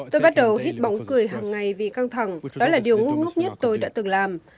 tôi bắt đầu hít bóng cười hàng ngày vì căng thẳng đó là điều nguộc nhất tôi đã từng làm